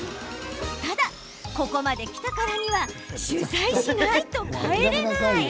ただ、ここまで来たからには取材しないと帰れない。